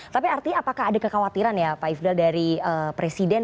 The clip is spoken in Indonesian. tapi artinya apakah ada kekhawatiran ya pak ifdal dari presiden